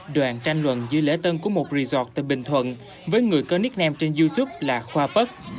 đoàn tranh luận dưới lễ tân của một resort tại bình thuận với người có nicknam trên youtube là khoa pất